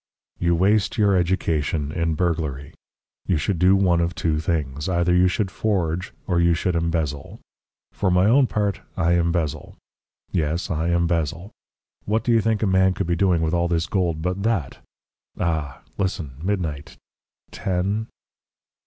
"You waste your education in burglary. You should do one of two things. Either you should forge or you should embezzle. For my own part, I embezzle. Yes; I embezzle. What do you think a man could be doing with all this gold but that? Ah! Listen! Midnight!... Ten.